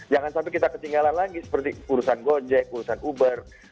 jangan sampai kita ketinggalan lagi seperti urusan gojek urusan uber